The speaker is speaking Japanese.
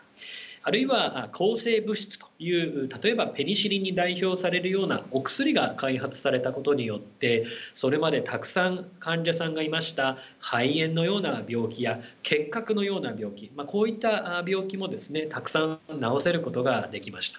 あるいは抗生物質という例えばペニシリンに代表されるようなお薬が開発されたことによってそれまでたくさん患者さんがいました肺炎のような病気や結核のような病気こういった病気もたくさん治せることができました。